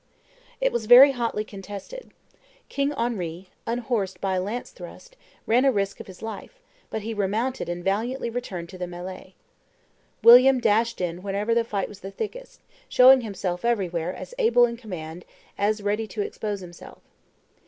It was very hotly contested. King Henry, unhorsed by a lance thrust, ran a risk of his life; but he remounted and valiantly returned to the melley. William dashed in wherever the fight was thickest, showing himself everywhere as able in command as ready to expose himself.